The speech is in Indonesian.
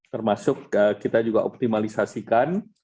termasuk kita juga optimalisasikan